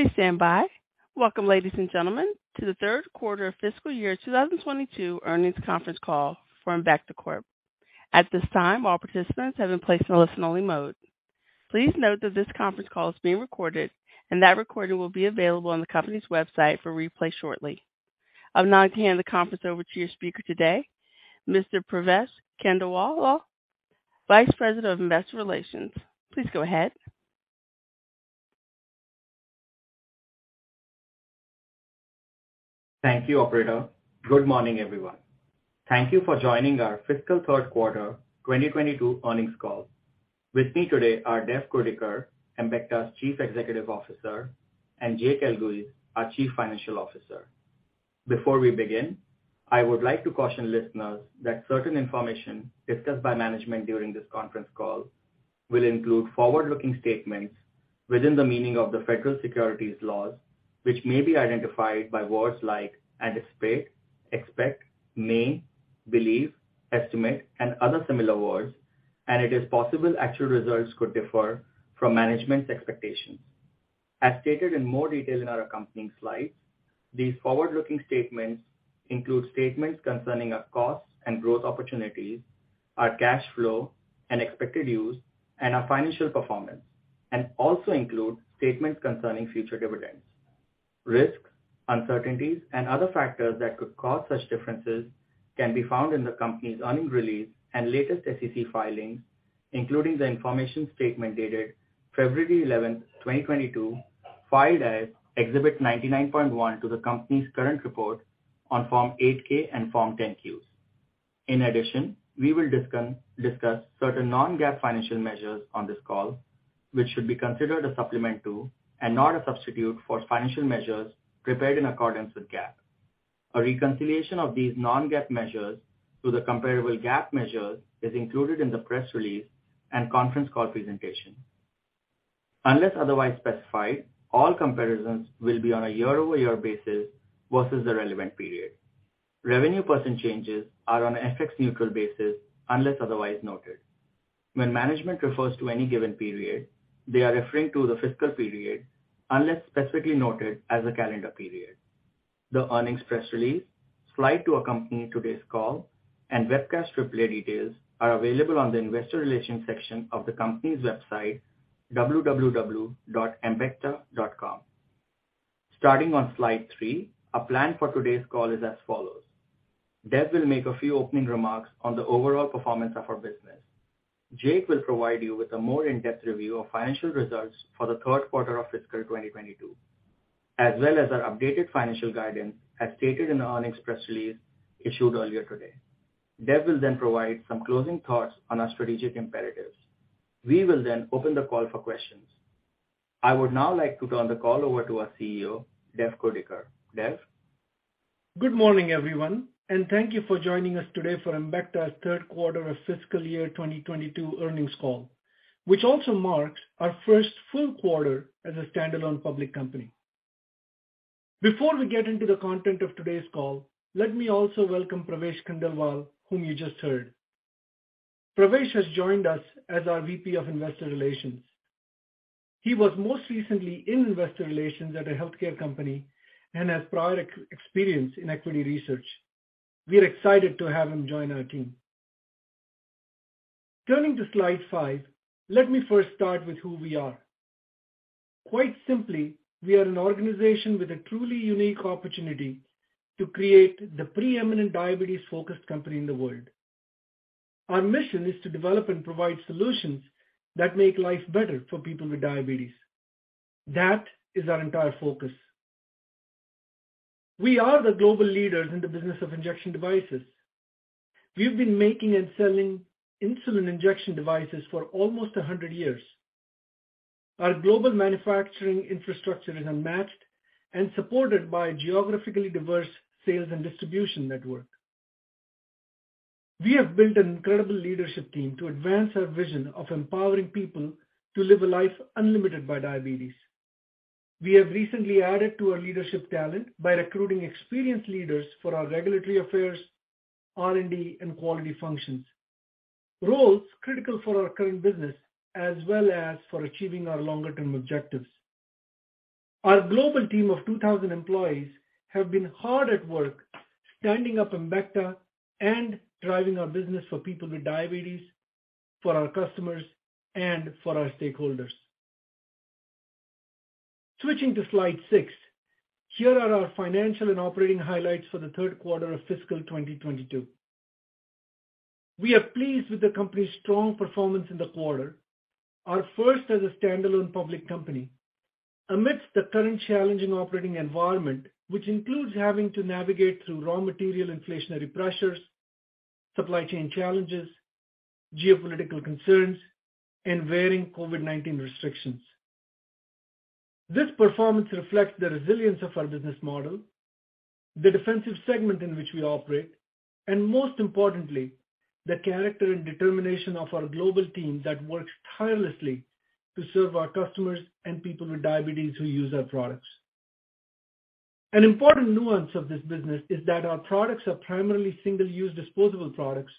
Please stand by. Welcome, ladies and gentlemen, to the third quarter of fiscal year 2022 earnings conference call for Embecta Corp. At this time, all participants have been placed in a listen only mode. Please note that this conference call is being recorded, and that recording will be available on the company's website for replay shortly. I'll now hand the conference over to your speaker today, Mr. Pravesh Khandelwal, Vice President of Investor Relations. Please go ahead. Thank you, operator. Good morning, everyone. Thank you for joining our fiscal third quarter 2022 earnings call. With me today are Dev Kurdikar, Embecta's Chief Executive Officer, and Jake Elguicze, our Chief Financial Officer. Before we begin, I would like to caution listeners that certain information discussed by management during this conference call will include forward-looking statements within the meaning of the federal securities laws, which may be identified by words like anticipate, expect, may, believe, estimate, and other similar words, and it is possible actual results could differ from management's expectations. As stated in more detail in our accompanying slides, these forward-looking statements include statements concerning our costs and growth opportunities, our cash flow and expected use, and our financial performance, and also include statements concerning future dividends. Risks, uncertainties, and other factors that could cause such differences can be found in the company's earnings release and latest SEC filings, including the information statement dated February 11, 2022, filed as Exhibit 99.1 to the company's current report on Form 8-K and Form 10-Qs. In addition, we will discuss certain non-GAAP financial measures on this call, which should be considered a supplement to and not a substitute for financial measures prepared in accordance with GAAP. A reconciliation of these non-GAAP measures to the comparable GAAP measures is included in the press release and conference call presentation. Unless otherwise specified, all comparisons will be on a year-over-year basis versus the relevant period. Revenue % changes are on FX neutral basis unless otherwise noted. When management refers to any given period, they are referring to the fiscal period unless specifically noted as a calendar period. The earnings press release, slide to accompany today's call, and webcast replay details are available on the investor relations section of the company's website, www.embecta.com. Starting on slide three, our plan for today's call is as follows. Dev will make a few opening remarks on the overall performance of our business. Jake will provide you with a more in-depth review of financial results for the third quarter of fiscal 2022, as well as our updated financial guidance as stated in the earnings press release issued earlier today. Dev will then provide some closing thoughts on our strategic imperatives. We will then open the call for questions. I would now like to turn the call over to our CEO, Dev Kurdikar. Dev. Good morning, everyone, and thank you for joining us today for Embecta's third quarter of fiscal year 2022 earnings call, which also marks our first full quarter as a standalone public company. Before we get into the content of today's call, let me also welcome Pravesh Khandelwal, whom you just heard. Pravesh has joined us as our VP of investor relations. He was most recently in investor relations at a healthcare company and has prior experience in equity research. We're excited to have him join our team. Turning to slide five, let me first start with who we are. Quite simply, we are an organization with a truly unique opportunity to create the preeminent diabetes-focused company in the world. Our mission is to develop and provide solutions that make life better for people with diabetes. That is our entire focus. We are the global leaders in the business of injection devices. We've been making and selling insulin injection devices for almost 100 years. Our global manufacturing infrastructure is unmatched and supported by geographically diverse sales and distribution network. We have built an incredible leadership team to advance our vision of empowering people to live a life unlimited by diabetes. We have recently added to our leadership talent by recruiting experienced leaders for our regulatory affairs, R&D, and quality functions, roles critical for our current business as well as for achieving our longer term objectives. Our global team of 2,000 employees have been hard at work standing up Embecta and driving our business for people with diabetes, for our customers, and for our stakeholders. Switching to slide six. Here are our financial and operating highlights for the third quarter of fiscal 2022. We are pleased with the company's strong performance in the quarter, our first as a standalone public company amidst the current challenging operating environment, which includes having to navigate through raw material inflationary pressures, supply chain challenges, geopolitical concerns, and varying COVID-19 restrictions. This performance reflects the resilience of our business model, the defensive segment in which we operate, and most importantly, the character and determination of our global team that works tirelessly to serve our customers and people with diabetes who use our products. An important nuance of this business is that our products are primarily single-use disposable products,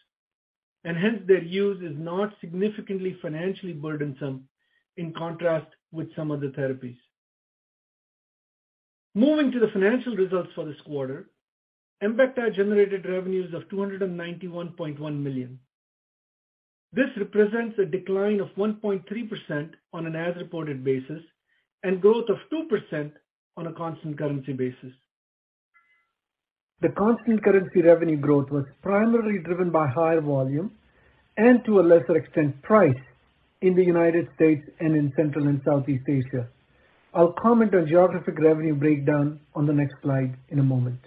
and hence their use is not significantly financially burdensome, in contrast with some other therapies. Moving to the financial results for this quarter, Embecta generated revenues of $291.1 million. This represents a decline of 1.3% on an as-reported basis and growth of 2% on a constant currency basis. The constant currency revenue growth was primarily driven by higher volume and to a lesser extent, price in the United States and in Central and Southeast Asia. I'll comment on geographic revenue breakdown on the next slide in a moment.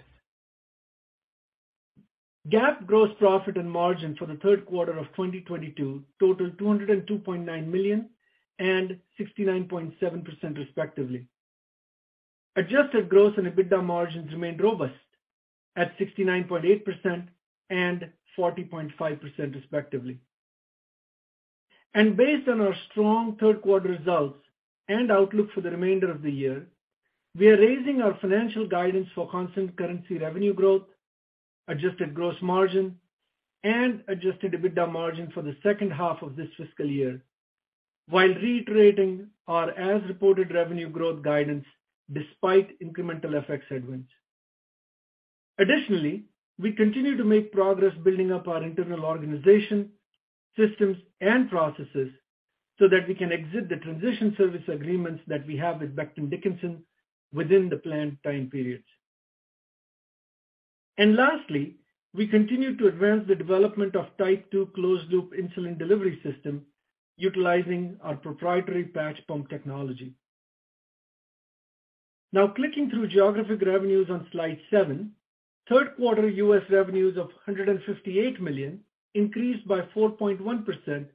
GAAP gross profit and margin for the third quarter of 2022 totaled $202.9 million and 69.7% respectively. Adjusted gross and EBITDA margins remained robust at 69.8% and 40.5% respectively. Based on our strong third quarter results and outlook for the remainder of the year, we are raising our financial guidance for constant currency revenue growth, adjusted gross margin, and adjusted EBITDA margin for the second half of this fiscal year, while reiterating our as-reported revenue growth guidance despite incremental FX headwinds. Additionally, we continue to make progress building up our internal organization, systems, and processes so that we can exit the transition service agreements that we have with Becton, Dickinson within the planned time periods. Lastly, we continue to advance the development of type two closed-loop insulin delivery system utilizing our proprietary patch pump technology. Now clicking through geographic revenues on slide seven. Third quarter U.S. revenues of $158 million increased by 4.1%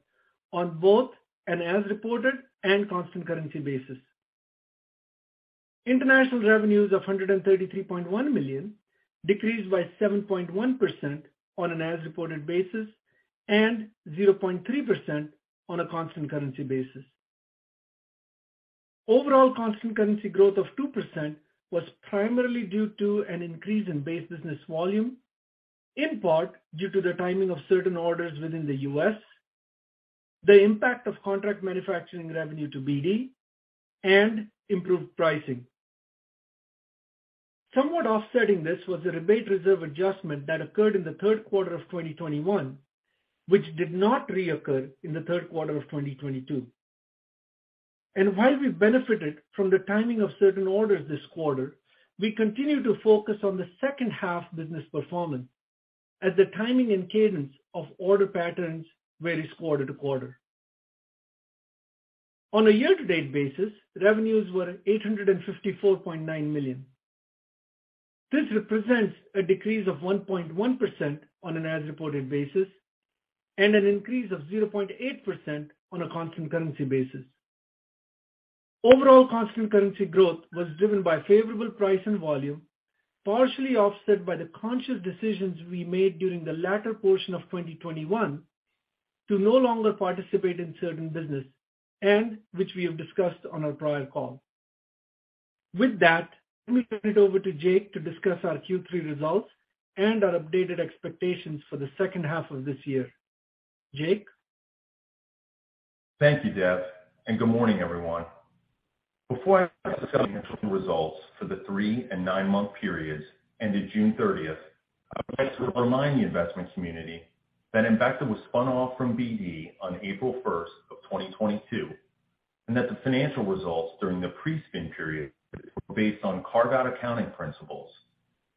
on both an as-reported and constant currency basis. International revenues of $133.1 million decreased by 7.1% on an as-reported basis and 0.3% on a constant currency basis. Overall constant currency growth of 2% was primarily due to an increase in base business volume, in part due to the timing of certain orders within the U.S., the impact of contract manufacturing revenue to BD, and improved pricing. Somewhat offsetting this was a rebate reserve adjustment that occurred in the third quarter of 2021, which did not reoccur in the third quarter of 2022. While we benefited from the timing of certain orders this quarter, we continue to focus on the second half business performance as the timing and cadence of order patterns varies quarter to quarter. On a year-to-date basis, revenues were $854.9 million. This represents a decrease of 1.1% on an as-reported basis, and an increase of 0.8% on a constant currency basis. Overall constant currency growth was driven by favorable price and volume, partially offset by the conscious decisions we made during the latter portion of 2021 to no longer participate in certain business, and which we have discussed on our prior call. With that, let me turn it over to Jake to discuss our Q3 results and our updated expectations for the second half of this year. Jake. Thank you, Dev, and good morning, everyone. Before I discuss the results for the three- and nine-month periods ended June 30th, I would like to remind the investment community that Embecta was spun off from BD on April 1st of 2022, and that the financial results during the pre-spin period were based on carve-out accounting principles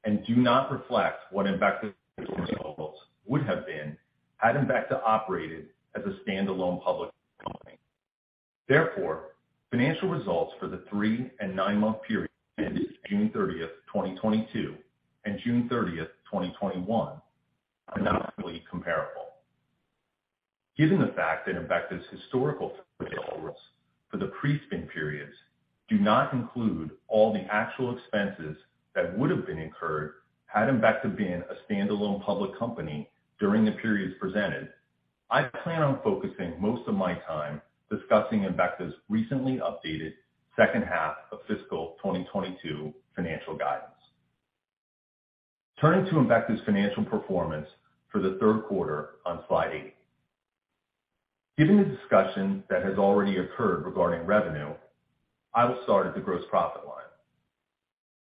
and do not reflect what Embecta's results would have been had Embecta operated as a standalone public company. Therefore, financial results for the three- and nine-month period ended June 30th, 2022 and June 30th, 2021 are not fully comparable. Given the fact that Embecta's historical results for the pre-spin periods do not include all the actual expenses that would have been incurred had Embecta been a standalone public company during the periods presented, I plan on focusing most of my time discussing Embecta's recently updated second half of fiscal 2022 financial guidance. Turning to Embecta's financial performance for the third quarter on slide eight. Given the discussion that has already occurred regarding revenue, I will start at the gross profit line.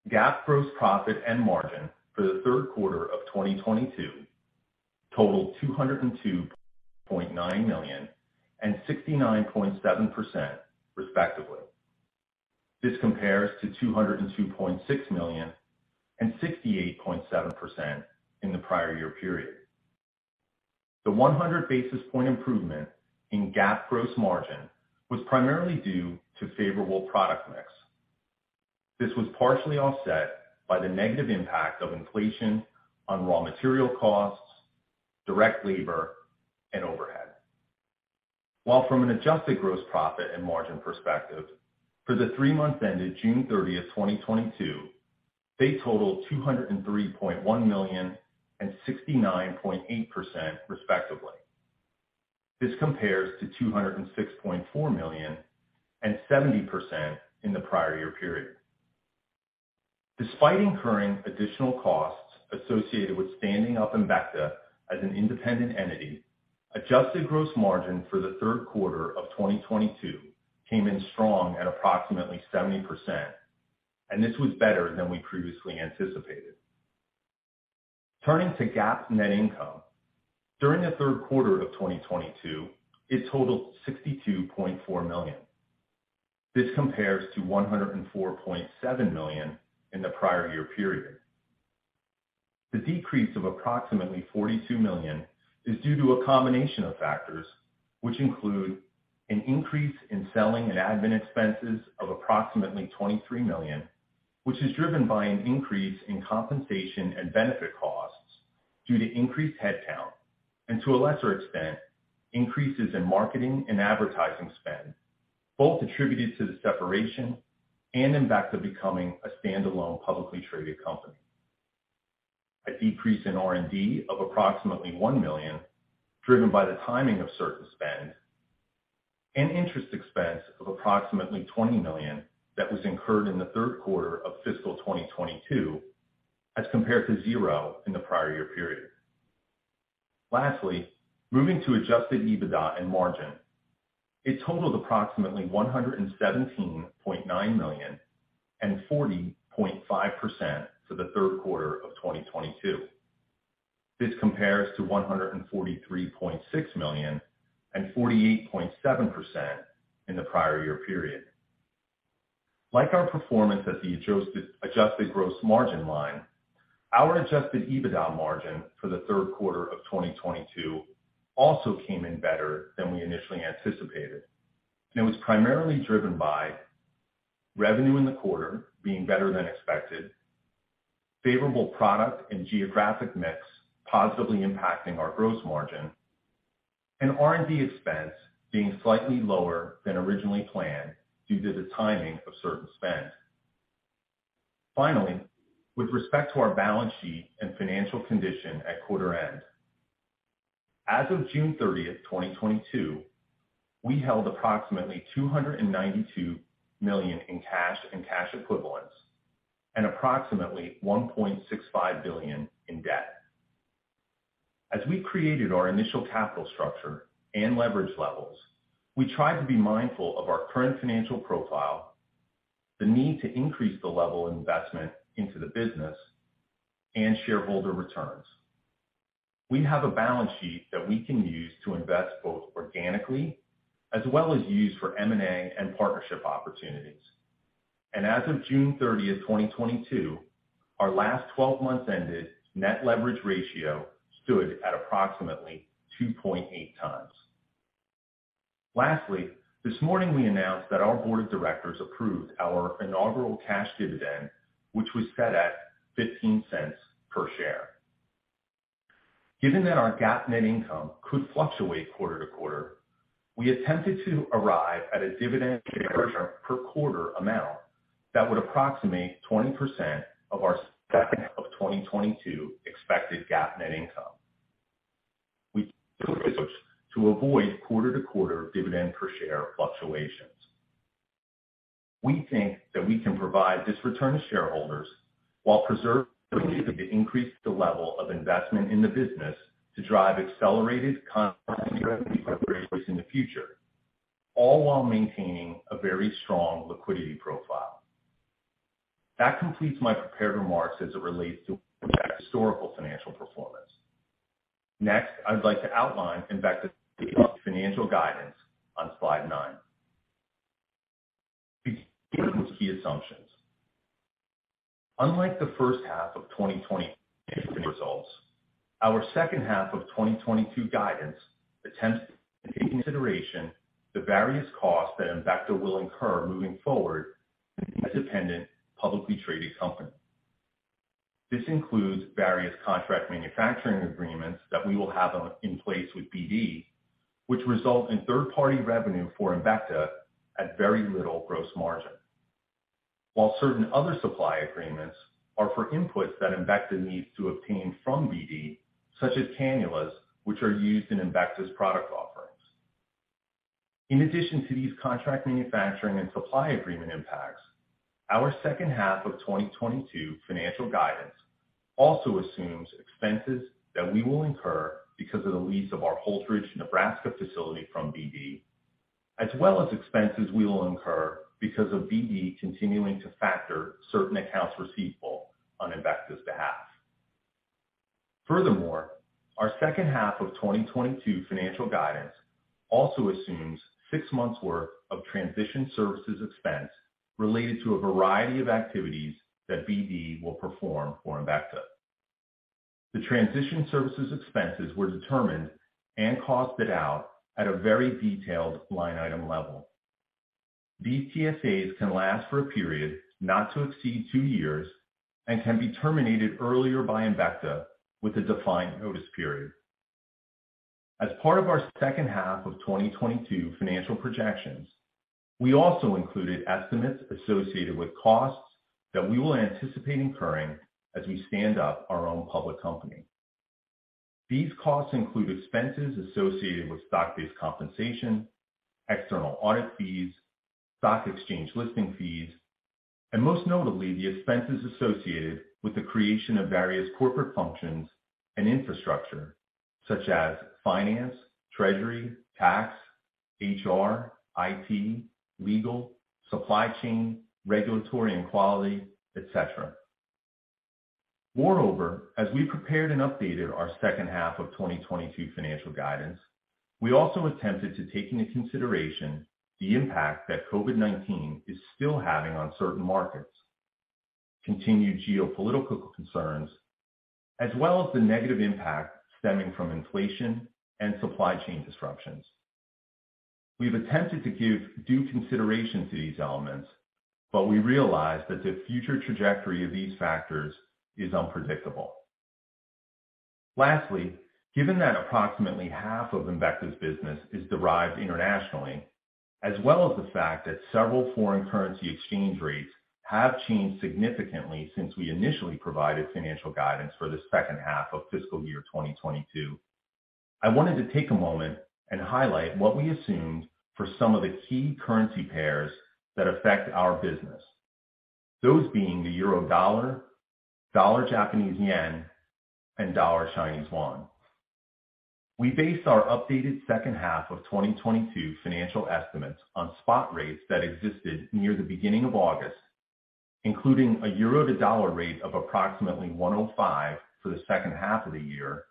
GAAP gross profit and margin for the third quarter of 2022 totaled $202.9 million and 69.7%, respectively. This compares to $202.6 million and 68.7% in the prior year period. The 100 basis point improvement in GAAP gross margin was primarily due to favorable product mix. This was partially offset by the negative impact of inflation on raw material costs, direct labor, and overhead. While from an adjusted gross profit and margin perspective for the three months ended June 30th, 2022, they totaled $203.1 million and 69.8%, respectively. This compares to $206.4 million and 70% in the prior year period. Despite incurring additional costs associated with standing up Embecta as an independent entity, adjusted gross margin for the third quarter of 2022 came in strong at approximately 70%, and this was better than we previously anticipated. Turning to GAAP net income, during the third quarter of 2022, it totaled $62.4 million. This compares to $104.7 million in the prior year period. The decrease of approximately $42 million is due to a combination of factors, which include an increase in selling and admin expenses of approximately $23 million, which is driven by an increase in compensation and benefit costs due to increased headcount, and to a lesser extent, increases in marketing and advertising spend, both attributed to the separation and Embecta becoming a standalone, publicly traded company. A decrease in R&D of approximately $1 million, driven by the timing of certain spend, and interest expense of approximately $20 million that was incurred in the third quarter of fiscal 2022 as compared to 0 in the prior year period. Lastly, moving to adjusted EBITDA and margin. It totaled approximately $117.9 million and 40.5% for the third quarter of 2022. This compares to $143.6 million and 48.7% in the prior year period. Like our performance at the adjusted gross margin line, our adjusted EBITDA margin for the third quarter of 2022 also came in better than we initially anticipated. It was primarily driven by revenue in the quarter being better than expected, favorable product and geographic mix positively impacting our gross margin, and R&D expense being slightly lower than originally planned due to the timing of certain spend. Finally, with respect to our balance sheet and financial condition at quarter end. As of June 30th, 2022, we held approximately $292 million in cash and cash equivalents and approximately $1.65 billion in debt. As we created our initial capital structure and leverage levels, we tried to be mindful of our current financial profile, the need to increase the level of investment into the business and shareholder returns. We have a balance sheet that we can use to invest both organically as well as use for M&A and partnership opportunities. As of June 30th, 2022, our last 12 months ended net leverage ratio stood at approximately 2.8x. Lastly, this morning we announced that our board of directors approved our inaugural cash dividend, which was set at $0.15 per share. Given that our GAAP net income could fluctuate quarter to quarter, we attempted to arrive at a dividend per quarter amount that would approximate 20% of our second half of 2022 expected GAAP net income. We to avoid quarter-to-quarter dividend per share fluctuations. We think that we can provide this return to shareholders while preserving the ability to increase the level of investment in the business to drive acceleration in the future, all while maintaining a very strong liquidity profile. That completes my prepared remarks as it relates to Embecta's historical financial performance. Next, I'd like to outline Embecta's financial guidance on slide nine. Beginning with key assumptions. Unlike the first half of 2022 results, our second half of 2022 guidance attempts to take into consideration the various costs that Embecta will incur moving forward as an independent, publicly traded company. This includes various contract manufacturing agreements that we will have in place with BD, which result in third-party revenue for Embecta at very little gross margin. While certain other supply agreements are for inputs that Embecta needs to obtain from BD, such as cannulas, which are used in Embecta's product offerings. In addition to these contract manufacturing and supply agreement impacts, our second half of 2022 financial guidance also assumes expenses that we will incur because of the lease of our Holdrege, Nebraska facility from BD, as well as expenses we will incur because of BD continuing to factor certain accounts receivable on Embecta's behalf. Furthermore, our second half of 2022 financial guidance also assumes 6 months worth of transition services expense related to a variety of activities that BD will perform for Embecta. The transition services expenses were determined and costed out at a very detailed line item level. These TSAs can last for a period not to exceed two years and can be terminated earlier by Embecta with a defined notice period. As part of our second half of 2022 financial projections. We also included estimates associated with costs that we will anticipate incurring as we stand up our own public company. These costs include expenses associated with stock-based compensation, external audit fees, stock exchange listing fees, and most notably, the expenses associated with the creation of various corporate functions and infrastructure such as finance, treasury, tax, HR, IT, legal, supply chain, regulatory and quality, et cetera. Moreover, as we prepared and updated our second half of 2022 financial guidance, we also attempted to take into consideration the impact that COVID-19 is still having on certain markets, continued geopolitical concerns, as well as the negative impact stemming from inflation and supply chain disruptions. We've attempted to give due consideration to these elements, but we realize that the future trajectory of these factors is unpredictable. Lastly, given that approximately half of Embecta's business is derived internationally, as well as the fact that several foreign currency exchange rates have changed significantly since we initially provided financial guidance for the second half of fiscal year 2022, I wanted to take a moment and highlight what we assumed for some of the key currency pairs that affect our business. Those being the euro-dollar, dollar-Japanese yen, and dollar-Chinese yuan. We base our updated second half of 2022 financial estimates on spot rates that existed near the beginning of August, including a euro to dollar rate of approximately 1.05 for the second half of the year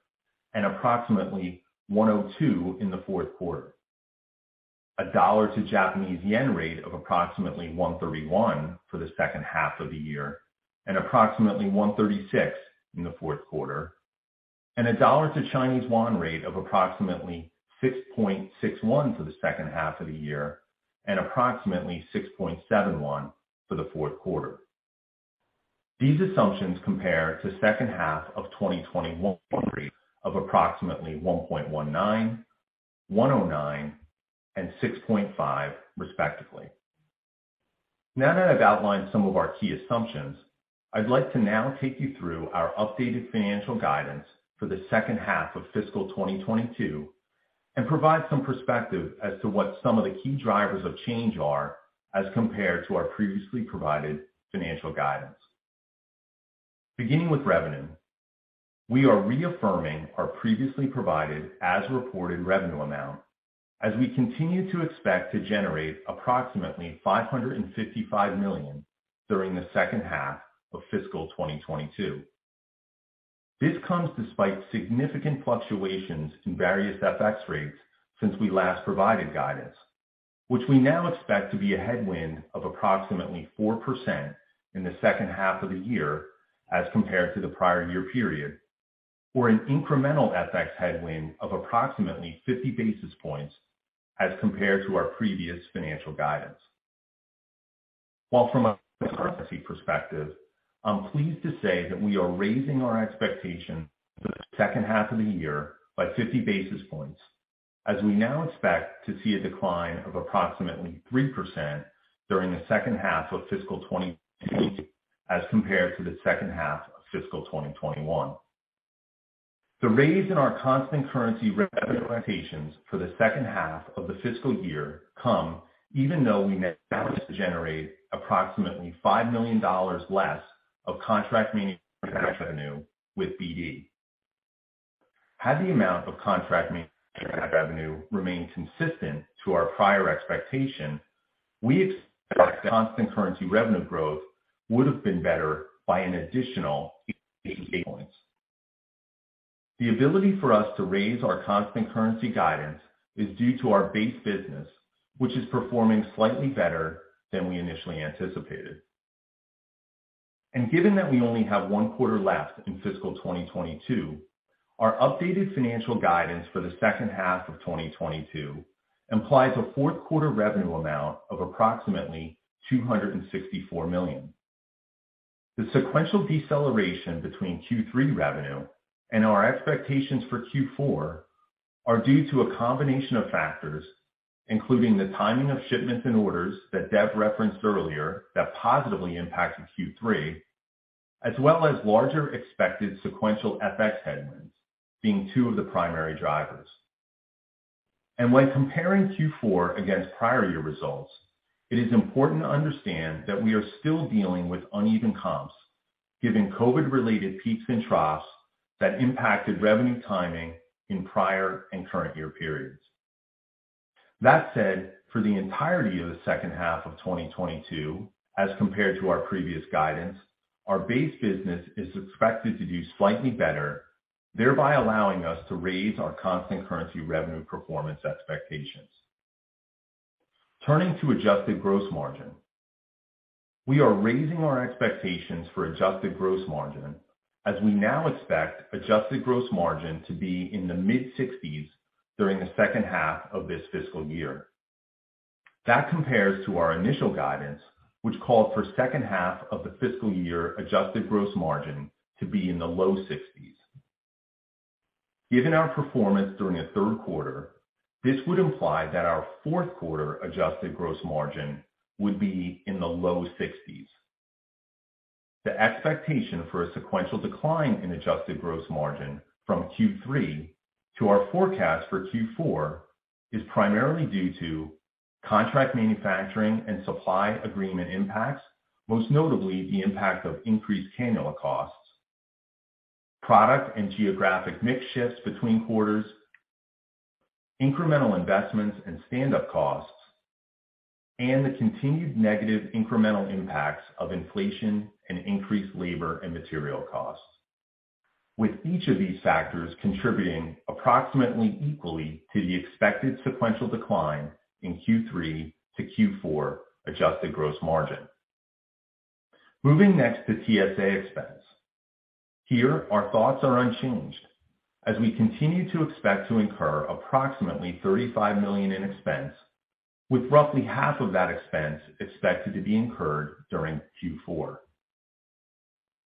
and approximately 1.02 in the fourth quarter. A dollar to Japanese yen rate of approximately 131 for the second half of the year and approximately 136 in the fourth quarter. A dollar to Chinese yuan rate of approximately 6.61 for the second half of the year and approximately 6.71 for the fourth quarter. These assumptions compare to second half of 2021 of approximately 1.19, 109, and 6.5, respectively. Now that I've outlined some of our key assumptions, I'd like to now take you through our updated financial guidance for the second half of fiscal 2022 and provide some perspective as to what some of the key drivers of change are as compared to our previously provided financial guidance. Beginning with revenue. We are reaffirming our previously provided as-reported revenue amount as we continue to expect to generate approximately $555 million during the second half of fiscal 2022. This comes despite significant fluctuations in various FX rates since we last provided guidance, which we now expect to be a headwind of approximately 4% in the second half of the year as compared to the prior year period, or an incremental FX headwind of approximately 50 basis points as compared to our previous financial guidance. Well, from a currency perspective, I'm pleased to say that we are raising our expectations for the second half of the year by 50 basis points as we now expect to see a decline of approximately 3% during the second half of fiscal 2022 as compared to the second half of fiscal 2021. The raise in our constant currency revenue expectations for the second half of the fiscal year comes even though we now generate approximately $5 million less of contract manufacturing revenue with BD. Had the amount of contract manufacturing revenue remained consistent to our prior expectation, we expect constant currency revenue growth would have been better by an additional 50 basis points. The ability for us to raise our constant currency guidance is due to our base business, which is performing slightly better than we initially anticipated. Given that we only have one quarter left in fiscal 2022, our updated financial guidance for the second half of 2022 implies a fourth quarter revenue amount of approximately $264 million. The sequential deceleration between Q3 revenue and our expectations for Q4 are due to a combination of factors, including the timing of shipments and orders that Dev referenced earlier that positively impacted Q3, as well as larger expected sequential FX headwinds being two of the primary drivers. When comparing Q4 against prior year results, it is important to understand that we are still dealing with uneven comps given COVID-19-related peaks and troughs that impacted revenue timing in prior and current year periods. That said, for the entirety of the second half of 2022 as compared to our previous guidance, our base business is expected to do slightly better, thereby allowing us to raise our constant currency revenue performance expectations. Turning to adjusted gross margin. We are raising our expectations for adjusted gross margin as we now expect adjusted gross margin to be in the mid-60s% during the second half of this fiscal year. That compares to our initial guidance, which called for second half of the fiscal year adjusted gross margin to be in the low 60s%. Given our performance during the third quarter, this would imply that our fourth quarter adjusted gross margin would be in the low 60s%. The expectation for a sequential decline in adjusted gross margin from Q3 to our forecast for Q4 is primarily due to contract manufacturing and supply agreement impacts, most notably the impact of increased cannula costs, product and geographic mix shifts between quarters, incremental investments and standup costs, and the continued negative incremental impacts of inflation and increased labor and material costs. With each of these factors contributing approximately equally to the expected sequential decline in Q3 to Q4 adjusted gross margin. Moving next to TSA expense. Here, our thoughts are unchanged as we continue to expect to incur approximately $35 million in expense, with roughly half of that expense expected to be incurred during Q4.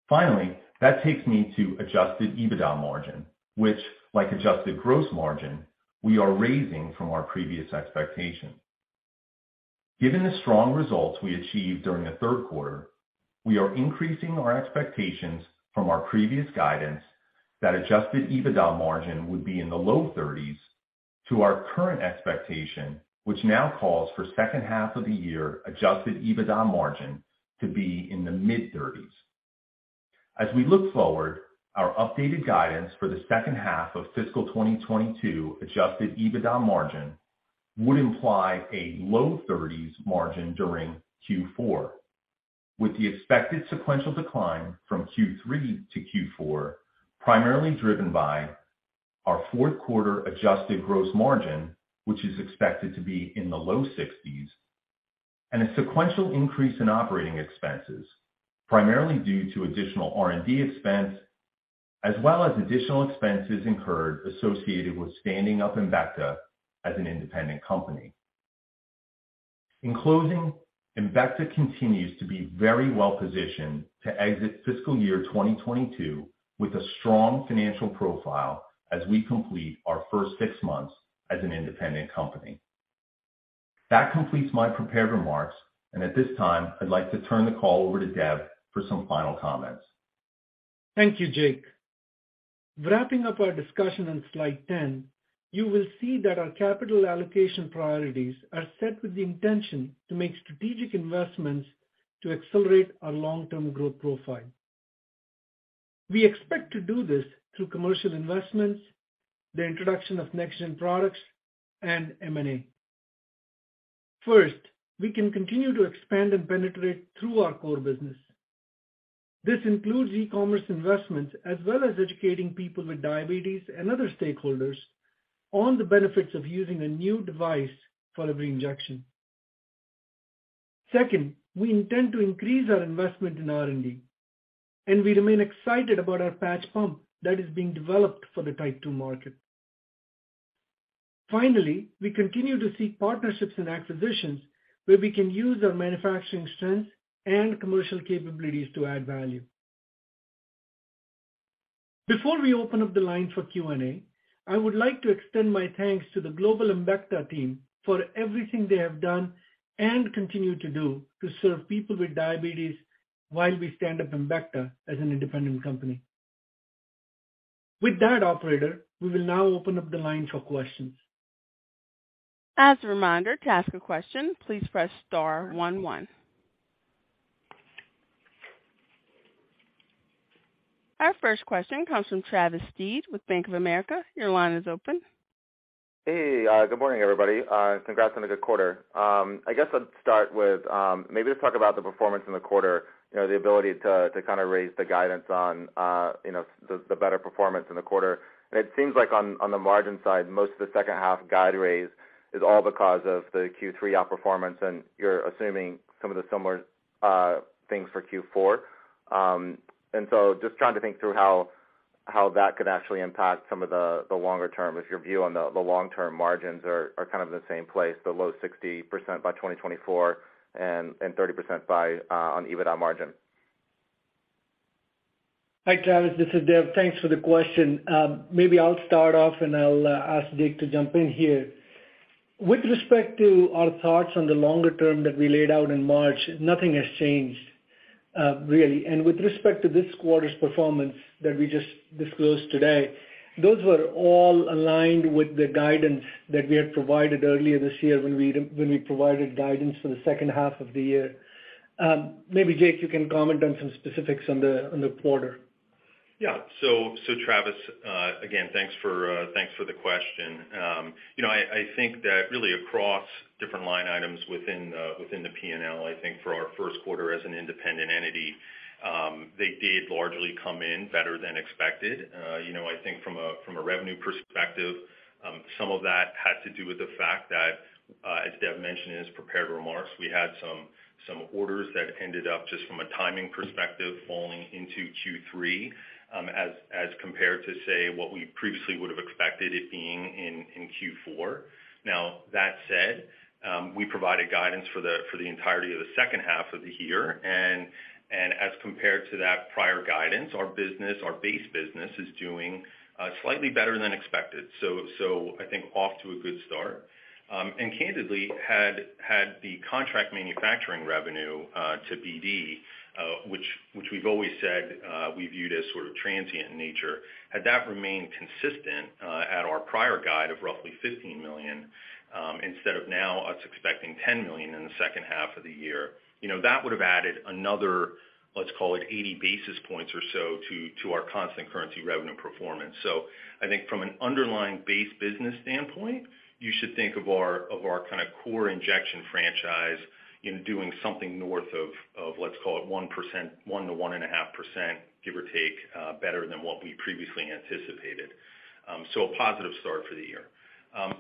Finally, that takes me to adjusted EBITDA margin, which, like adjusted gross margin, we are raising from our previous expectation. Given the strong results we achieved during the third quarter, we are increasing our expectations from our previous guidance that adjusted EBITDA margin would be in the low 30s% to our current expectation, which now calls for second half of the year adjusted EBITDA margin to be in the mid-30s%. As we look forward, our updated guidance for the second half of fiscal 2022 adjusted EBITDA margin would imply a low 30s% margin during Q4, with the expected sequential decline from Q3 to Q4 primarily driven by our fourth quarter adjusted gross margin, which is expected to be in the low 60s%, and a sequential increase in operating expenses, primarily due to additional R&D expense, as well as additional expenses incurred associated with standing up Embecta as an independent company. In closing, Embecta continues to be very well positioned to exit fiscal year 2022 with a strong financial profile as we complete our first six months as an independent company. That completes my prepared remarks, and at this time I'd like to turn the call over to Dev for some final comments. Thank you, Jake. Wrapping up our discussion on slide 10, you will see that our capital allocation priorities are set with the intention to make strategic investments to accelerate our long-term growth profile. We expect to do this through commercial investments, the introduction of next gen products, and M&A. First, we can continue to expand and penetrate through our core business. This includes e-commerce investments as well as educating people with diabetes and other stakeholders on the benefits of using a new device for every injection. Second, we intend to increase our investment in R&D, and we remain excited about our patch pump that is being developed for the type two market. Finally, we continue to seek partnerships and acquisitions where we can use our manufacturing strengths and commercial capabilities to add value. Before we open up the line for Q&A, I would like to extend my thanks to the global Embecta team for everything they have done and continue to do to serve people with diabetes while we stand up Embecta as an independent company. With that, operator, we will now open up the line for questions. As a reminder, to ask a question, please press star one one. Our first question comes from Travis Steed with Bank of America. Your line is open. Hey, good morning, everybody. Congrats on a good quarter. I guess I'd start with maybe just talk about the performance in the quarter, you know, the ability to kind of raise the guidance on you know, the better performance in the quarter. It seems like on the margin side, most of the second half guide raise is all because of the Q3 outperformance, and you're assuming some of the similar things for Q4. Just trying to think through how that could actually impact some of the longer term if your view on the long-term margins are kind of in the same place, the low 60% by 2024 and 30% by on EBITDA margin. Hi, Travis, this is Dev. Thanks for the question. Maybe I'll start off and ask Jake to jump in here. With respect to our thoughts on the longer term that we laid out in March, nothing has changed, really. With respect to this quarter's performance that we just disclosed today, those were all aligned with the guidance that we had provided earlier this year when we provided guidance for the second half of the year. Maybe Jake, you can comment on some specifics on the quarter. Travis, again, thanks for the question. You know, I think that really across different line items within the P&L, I think for our first quarter as an independent entity, they did largely come in better than expected. You know, I think from a revenue perspective, some of that had to do with the fact that, as Dev mentioned in his prepared remarks, we had some orders that ended up just from a timing perspective falling into Q3, as compared to say what we previously would have expected it being in Q4. Now that said, we provided guidance for the entirety of the second half of the year. As compared to that prior guidance, our business, our base business is doing slightly better than expected. I think off to a good start. Candidly had the contract manufacturing revenue to BD, which we've always said we viewed as sort of transient in nature, had that remained consistent at our prior guide of roughly $15 million, instead of now us expecting $10 million in the second half of the year, you know, that would have added another, let's call it 80 basis points or so to our constant currency revenue performance. I think from an underlying base business standpoint, you should think of our kinda core injection franchise in doing something north of, let's call it 1%, 1%-1.5%, give or take, better than what we previously anticipated. A positive start for the year.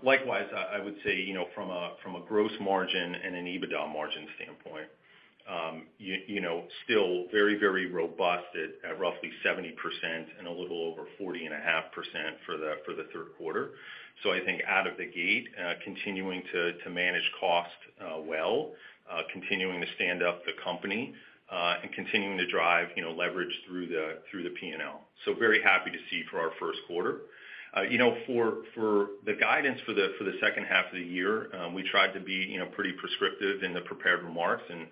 Likewise, I would say, you know, from a gross margin and an EBITDA margin standpoint, you know, still very, very robust at roughly 70% and a little over 40.5% for the third quarter. I think out of the gate, continuing to manage costs well, continuing to stand up the company, and continuing to drive, you know, leverage through the P&L. Very happy to see for our first quarter. You know, for the guidance for the second half of the year, we tried to be, you know, pretty prescriptive in the prepared remarks and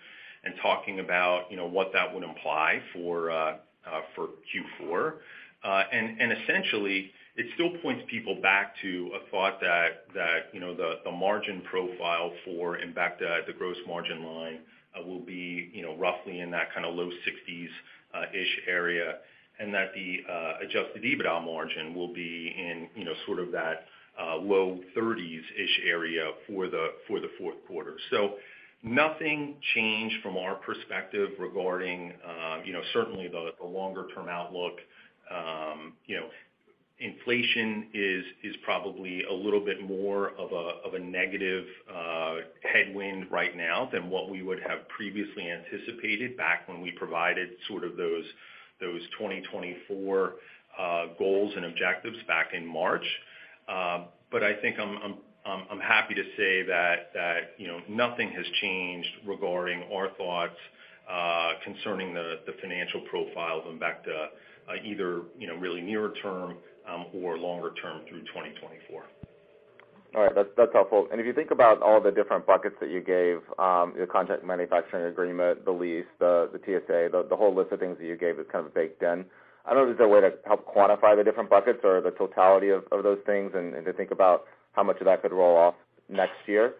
talking about, you know, what that would imply for Q4. Essentially it still points people back to a thought that, you know, the margin profile for, in fact, the gross margin line will be, you know, roughly in that kinda low 60s-ish% area, and that the adjusted EBITDA margin will be in, you know, sort of that low 30s-ish% area for the fourth quarter. Nothing changed from our perspective regarding, you know, certainly the longer-term outlook. You know, inflation is probably a little bit more of a negative headwind right now than what we would have previously anticipated back when we provided sort of those 2024 goals and objectives back in March. I think I'm happy to say that you know, nothing has changed regarding our thoughts concerning the financial profile of Embecta either you know, really nearer term or longer term through 2024. All right. That's helpful. If you think about all the different buckets that you gave, your contract manufacturing agreement, the lease, the TSA, the whole list of things that you gave is kind of baked in. I don't know if there's a way to help quantify the different buckets or the totality of those things and to think about how much of that could roll off next year.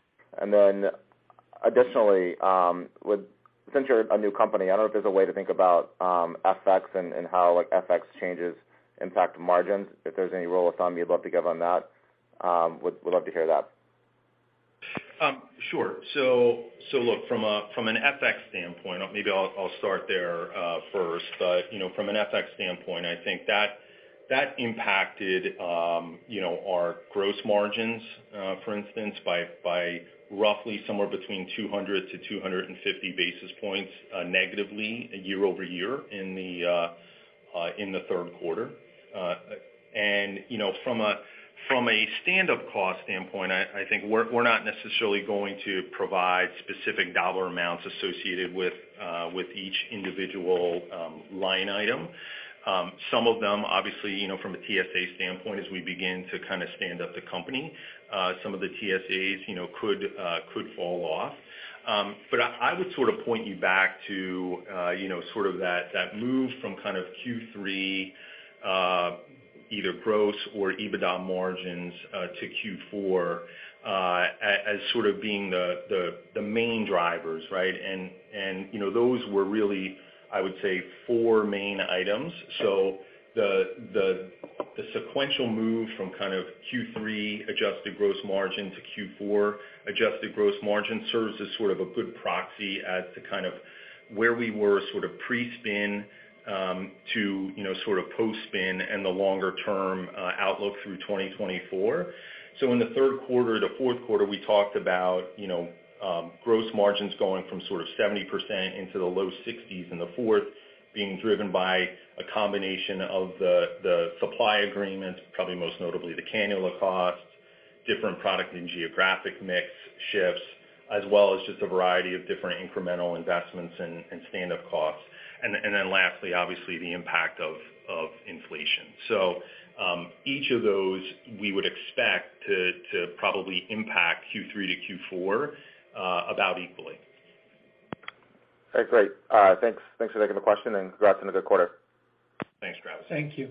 Since you're a new company, I don't know if there's a way to think about FX and how like FX changes impact margins. If there's any rule of thumb you'd love to give on that, would love to hear that. Sure. Look, from an FX standpoint, maybe I'll start there first. You know, from an FX standpoint, I think that impacted our gross margins, for instance, by roughly somewhere between 200-250 basis points negatively year-over-year in the third quarter. You know, from a standup cost standpoint, I think we're not necessarily going to provide specific dollar amounts associated with each individual line item. Some of them obviously, you know, from a TSA standpoint as we begin to kind of stand up the company, some of the TSAs, you know, could fall off. I would sort of point you back to, you know, sort of that move from kind of Q3 either gross or EBITDA margins to Q4 as sort of being the main drivers, right? You know, those were really, I would say, four main items. The sequential move from kind of Q3 adjusted gross margin to Q4 adjusted gross margin serves as sort of a good proxy as to kind of where we were sort of pre-spin to, you know, sort of post-spin and the longer term outlook through 2024. In the third quarter to fourth quarter, we talked about, you know, gross margins going from sort of 70% into the low 60s%, and the fourth being driven by a combination of the supply agreements, probably most notably the cannula costs, different product and geographic mix shifts, as well as just a variety of different incremental investments and stand up costs. Then lastly, obviously the impact of inflation. Each of those we would expect to probably impact Q3 to Q4 about equally. Okay, great. Thanks for taking the question and congrats on a good quarter. Thanks, Travis. Thank you.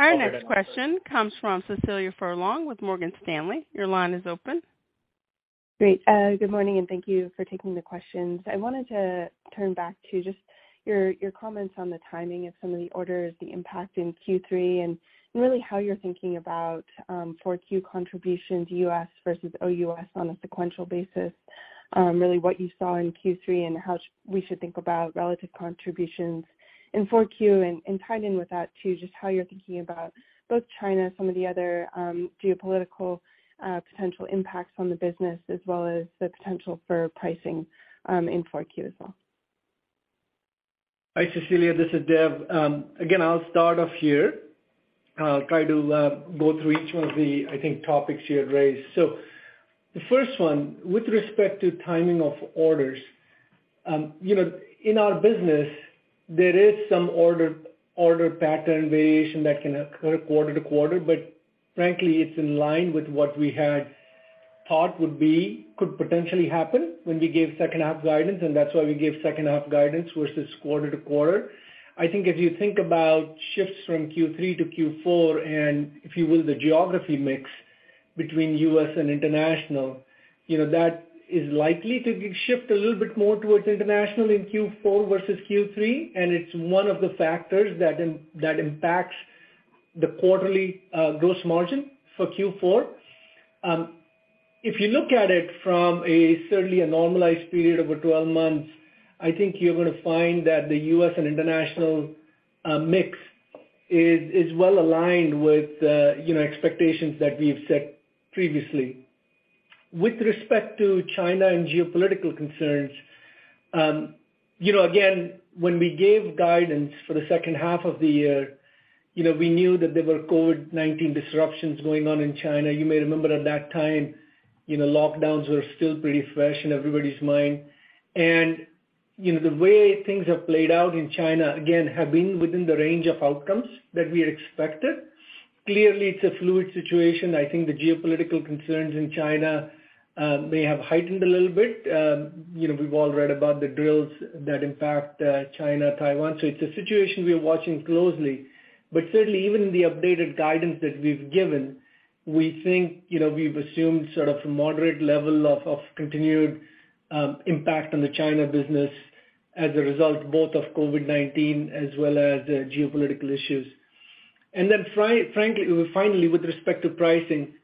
Our next question comes from Cecilia Furlong with Morgan Stanley. Your line is open. Great. Good morning and thank you for taking the questions. I wanted to turn back to just your comments on the timing of some of the orders, the impact in Q3, and really how you're thinking about 4Q contributions U.S. versus OUS on a sequential basis. Really what you saw in Q3 and how we should think about relative contributions in four Q. Tied in with that too, just how you're thinking about both China, some of the other geopolitical potential impacts on the business as well as the potential for pricing in four Q as well. Hi, Cecilia, this is Dev. Again, I'll start off here. I'll try to go through each one of the, I think, topics you had raised. The first one, with respect to timing of orders, you know, in our business there is some order pattern variation that can occur quarter to quarter, but frankly, it's in line with what we had thought could potentially happen when we gave second half guidance, and that's why we gave second half guidance versus quarter to quarter. I think if you think about shifts from Q3 to Q4, and if you will, the geographic mix between U.S. and international, you know, that is likely to shift a little bit more towards international in Q4 versus Q3, and it's one of the factors that impacts the quarterly gross margin for Q4. If you look at it from a certainly a normalized period over 12 months, I think you're gonna find that the U.S. and international mix is well aligned with you know expectations that we've set previously. With respect to China and geopolitical concerns, you know, again, when we gave guidance for the second half of the year, you know, we knew that there were COVID-19 disruptions going on in China. You may remember at that time, you know, lockdowns were still pretty fresh in everybody's mind. You know, the way things have played out in China, again, have been within the range of outcomes that we had expected. Clearly, it's a fluid situation. I think the geopolitical concerns in China may have heightened a little bit. You know, we've all read about the drills that impact China, Taiwan, so it's a situation we are watching closely. Certainly even in the updated guidance that we've given, we think, you know, we've assumed sort of a moderate level of continued impact on the China business as a result both of COVID-19 as well as the geopolitical issues. Frankly, finally, with respect to pricing,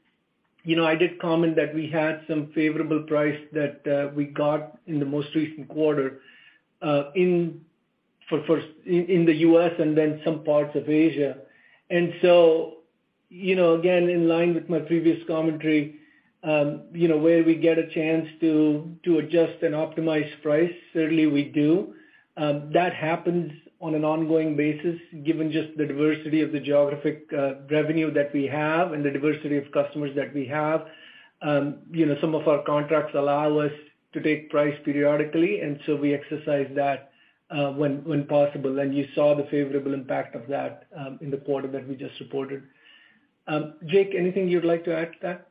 you know, I did comment that we had some favorable price that we got in the most recent quarter in the U.S. and then some parts of Asia. You know, again, in line with my previous commentary, you know, where we get a chance to adjust and optimize price, certainly we do. That happens on an ongoing basis, given just the diversity of the geographic revenue that we have and the diversity of customers that we have. You know, some of our contracts allow us to take price periodically, and so we exercise that when possible. You saw the favorable impact of that in the quarter that we just reported. Jake, anything you'd like to add to that?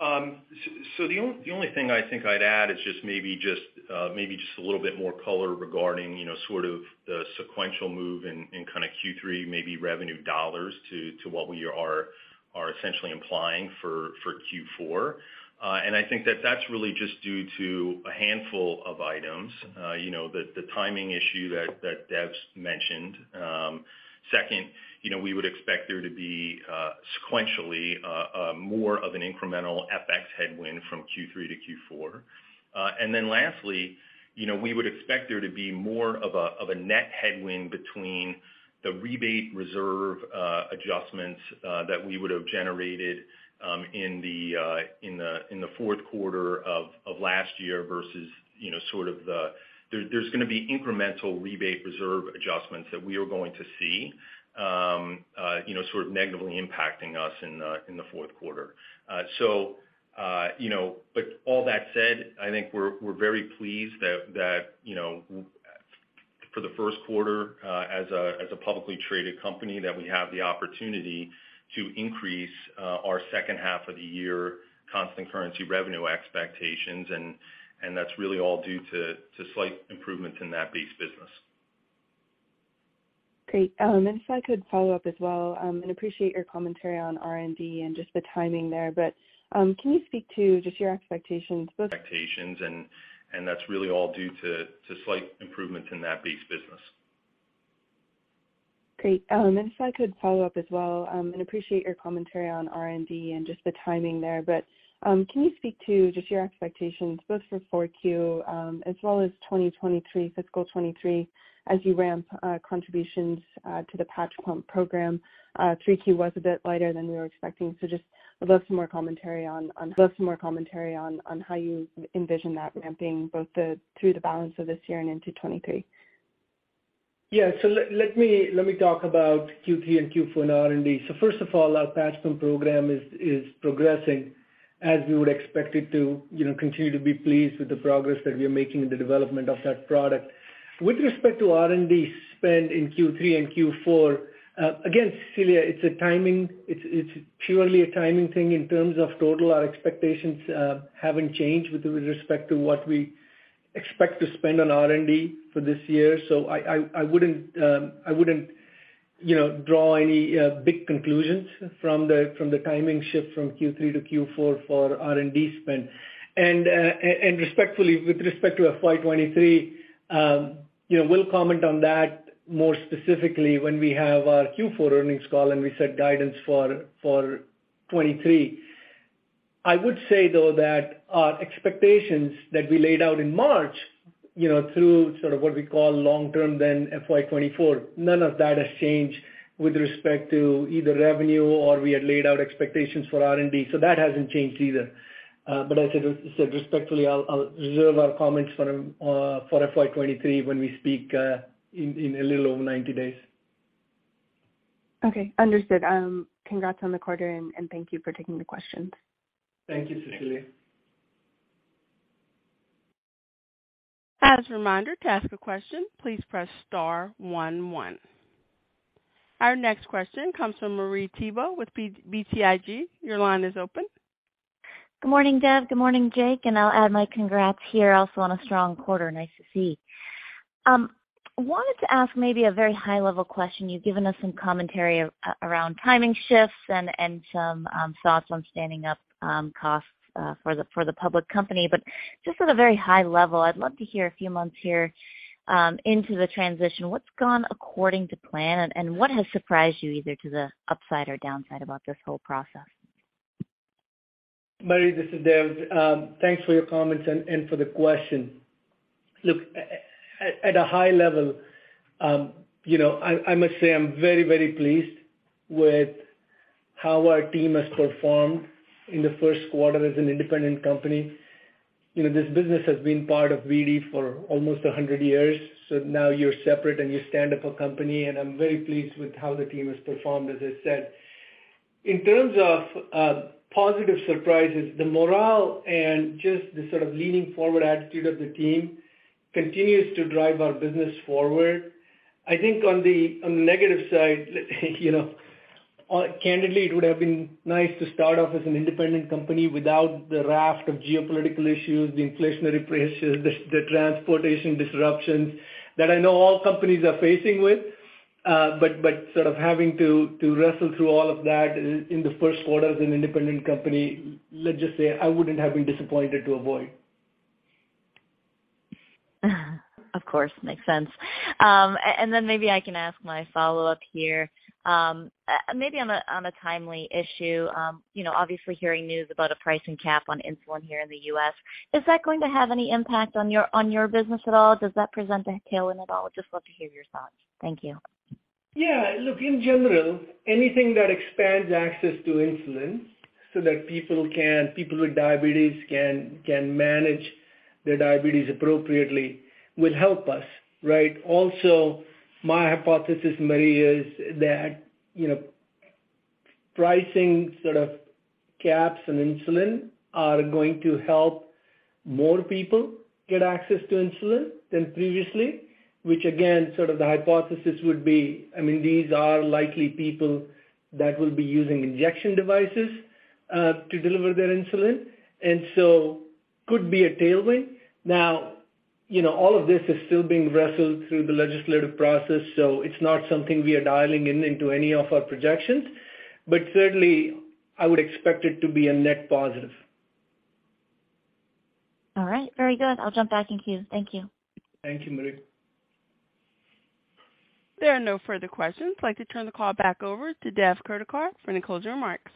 The only thing I think I'd add is just maybe a little bit more color regarding, you know, sort of the sequential move in kinda Q3 revenue dollars to what we are essentially implying for Q4. I think that's really just due to a handful of items, you know, the timing issue that Dev's mentioned. Second, you know, we would expect there to be sequentially more of an incremental FX headwind from Q3 to Q4. Lastly, you know, we would expect there to be more of a net headwind between the rebate reserve adjustments that we would've generated in the fourth quarter of last year versus, you know, sort of the There's gonna be incremental rebate reserve adjustments that we are going to see, you know, sort of negatively impacting us in the fourth quarter. You know, but all that said, I think we're very pleased that, you know, for the first quarter, as a publicly traded company, that we have the opportunity to increase our second half of the year constant currency revenue expectations, and that's really all due to slight improvements in that base business. Great. If I could follow up as well, and appreciate your commentary on R&D and just the timing there, but can you speak to just your expectations both- Expectations, and that's really all due to slight improvements in that base business. Great. If I could follow up as well and appreciate your commentary on R&D and just the timing there, but can you speak to just your expectations both for 4Q as well as 2023, fiscal 2023, as you ramp contributions to the patch pump program? 3Q was a bit lighter than we were expecting, so just would love some more commentary on how you envision that ramping both through the balance of this year and into 2023. Let me talk about Q3 and Q4 and R&D. First of all, our patch pump program is progressing as we would expect it to. You know, we continue to be pleased with the progress that we are making in the development of that product. With respect to R&D spend in Q3 and Q4, again, Cecilia, it's a timing. It's purely a timing thing in terms of total. Our expectations haven't changed with respect to what we expect to spend on R&D for this year. I wouldn't you know, draw any big conclusions from the timing shift from Q3 to Q4 for R&D spend. Respectfully, with respect to FY 2023, you know, we'll comment on that more specifically when we have our Q4 earnings call and we set guidance for 2023. I would say, though, that our expectations that we laid out in March, you know, through sort of what we call long term then FY 2024, none of that has changed with respect to either revenue or we had laid out expectations for R&D. That hasn't changed either. But as I said, respectfully, I'll reserve our comments for FY 2023 when we speak in a little over 90 days. Okay, understood. Congrats on the quarter, and thank you for taking the questions. Thank you, Cecilia. As a reminder, to ask a question, please press star one. Our next question comes from Marie Thibault with BTIG. Your line is open. Good morning, Dev. Good morning, Jake. I'll add my congrats here also on a strong quarter. Nice to see. Wanted to ask maybe a very high-level question. You've given us some commentary around timing shifts and some thoughts on standing up costs for the public company. But just at a very high level, I'd love to hear a few months here into the transition, what's gone according to plan and what has surprised you either to the upside or downside about this whole process? Marie, this is Dev. Thanks for your comments and for the question. Look, at a high level, you know, I must say I'm very pleased with how our team has performed in the first quarter as an independent company. You know, this business has been part of BD for almost 100 years. Now we're separate and we stand up a company, and I'm very pleased with how the team has performed, as I said. In terms of positive surprises, the morale and just the sort of leaning forward attitude of the team continues to drive our business forward. I think on the negative side, you know, candidly, it would have been nice to start off as an independent company without the raft of geopolitical issues, the inflationary pressures, the transportation disruptions that I know all companies are facing with. But sort of having to wrestle through all of that in the first quarter as an independent company, let's just say I wouldn't have been disappointed to avoid. Of course. Makes sense. Maybe I can ask my follow-up here. Maybe on a timely issue, you know, obviously hearing news about a price cap on insulin here in the U.S., is that going to have any impact on your business at all? Does that present a tailwind at all? Just love to hear your thoughts. Thank you. Yeah. Look, in general, anything that expands access to insulin so that people with diabetes can manage their diabetes appropriately will help us, right? Also, my hypothesis, Marie, is that, you know, pricing sort of caps on insulin are going to help more people get access to insulin than previously, which again, sort of the hypothesis would be, I mean, these are likely people that will be using injection devices to deliver their insulin, and so could be a tailwind. Now, you know, all of this is still being wrestled through the legislative process, so it's not something we are dialing it into any of our projections. But certainly I would expect it to be a net positive. All right. Very good. I'll jump back in queue. Thank you. Thank you, Marie. There are no further questions. I'd like to turn the call back over to Dev Kurdikar for any closing remarks.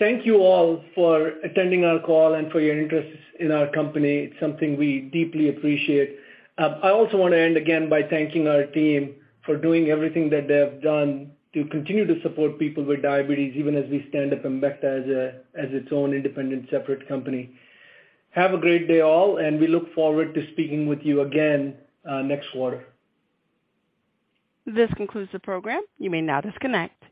Thank you all for attending our call and for your interest in our company. It's something we deeply appreciate. I also wanna end again by thanking our team for doing everything that they have done to continue to support people with diabetes, even as we stand up Embecta as its own independent, separate company. Have a great day, all, and we look forward to speaking with you again, next quarter. This concludes the program. You may now disconnect.